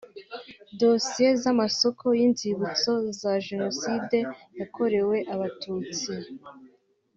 Dosiye z’amasoko y’inzibutso za Jenoside yakorewe Abatutsi